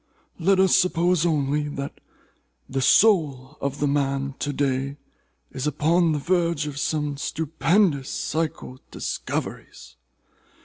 Let us suppose only, that the soul of the man of to day is upon the verge of some stupendous psychal discoveries.